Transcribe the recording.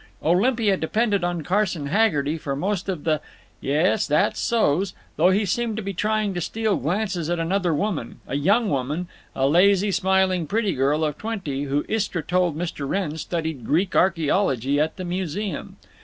Olympia depended on Carson Haggerty for most of the "Yes, that's so's," though he seemed to be trying to steal glances at another woman, a young woman, a lazy smiling pretty girl of twenty, who, Istra told Mr. Wrenn, studied Greek archaeology at the Museum.